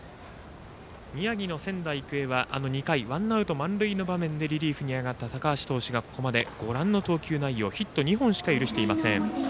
宮城の仙台育英は２回、ワンアウト満塁の場面でリリーフに上がった高橋投手がここまでヒット２本しか許していません。